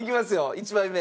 １枚目。